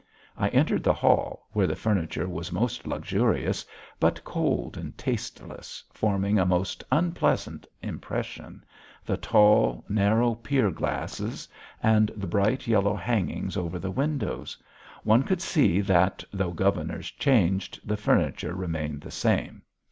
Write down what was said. I entered the hall, where the furniture was most luxurious, but cold and tasteless, forming a most unpleasant impression the tall, narrow pier glasses, and the bright, yellow hangings over the windows; one could see that, though governors changed, the furniture remained the same.